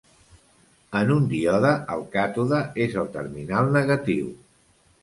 En un díode el càtode és el terminal negatiu.